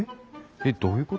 えっどういうこと？